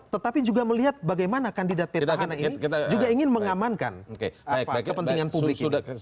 tetapi juga melihat bagaimana kandidat petahana ini juga ingin mengamankan kepentingan publik ini